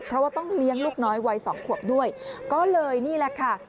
เพราะว่าต้องเลี้ยงลูกน้อยวัยสองขวบด้วยก็เลยนี่แหละค่ะ